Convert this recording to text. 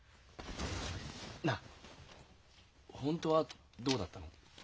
なあ本当はどうだったの？